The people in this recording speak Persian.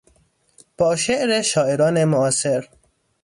با شعر شاعران معاصر